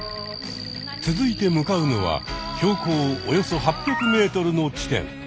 続いて向かうのは標高およそ８００ｍの地点。